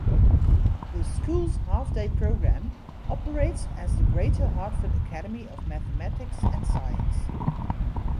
The school's half-day program operates as the Greater Hartford Academy of Mathematics And Science.